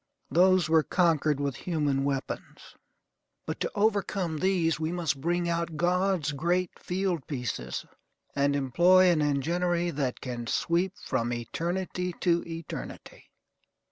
Those were conquered with human weapons; but to overcome these we must bring out God's great fieldpieces, and employ an enginery that can sweep from eternity to eternity.